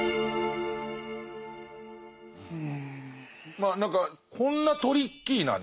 まあ何かこんなトリッキーなね